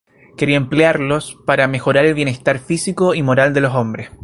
Quería emplearlos para mejorar el bienestar físico y moral de los hombres.